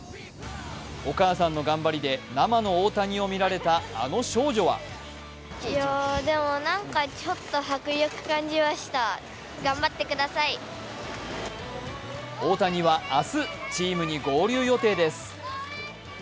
お母さんの頑張りで、生の大谷を見られた、あの少女は大谷は明日チームに合流予定です。